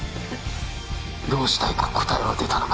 どうしたいか答えは出たのか？